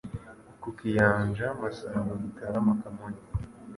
Ku Kiyanja Masango Gitarama Kamonyi